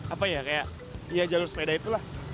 apa ya kayak jalur sepeda itulah